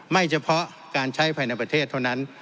เฉพาะการใช้ภายในประเทศเท่านั้น